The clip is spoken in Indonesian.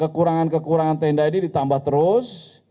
kekurangan kekurangan tenda ini ditambah terus